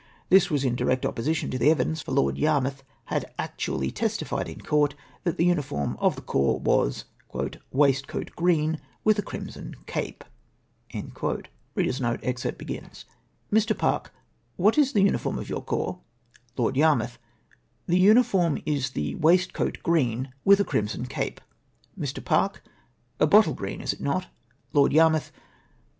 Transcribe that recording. This was in direct opposition to the evidence, for Lord Yarmouth had actually testified in Court that the uniform of the corps was " waistcoat green, with a crimson cape I " Mr. Park. —" What is the uniform of your corps ?" Lord Yarmouth. ■—" The uniform is the waistcoat green, with a crimson cape.'''' Mr. Park. —" A bottle green, is it not ?" Lord Yarmouth.